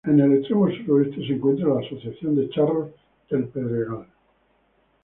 En el extremo suroeste se encuentra la Asociación de Charros del Pedregal.